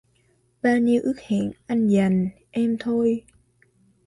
Bao nhiêu ước hẹn anh dành...em thôi.